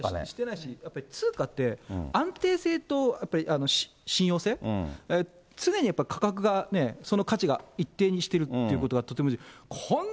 してないし、やっぱり通貨って、安定性とやっぱり信用性、常にやっぱり価格が、その価値が一定にしてるっていうことはとても重要。